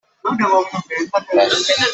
Passing the bridge was free.